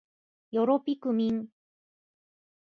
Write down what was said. よろぴくみん